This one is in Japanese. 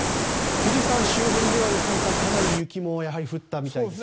富士山周辺では良純さんかなり雪も降ったみたいですね。